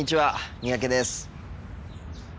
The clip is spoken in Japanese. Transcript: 三宅です。